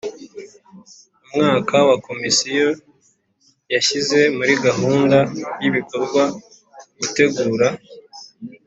Mu mwaka wa Komisiyo yashyize muri gahunda y ibikorwa gutegura